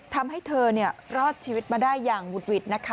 ทำให้เธอรอดชีวิตมาได้อย่างหุดหวิดนะคะ